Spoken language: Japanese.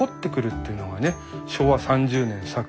昭和３０年作。